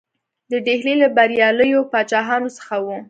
د ډهلي له بریالیو پاچاهانو څخه وو.